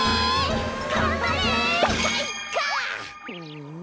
うん。